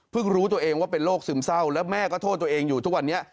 รู้ตัวเองว่าเป็นโรคซึมเศร้าแล้วแม่ก็โทษตัวเองอยู่ทุกวันนี้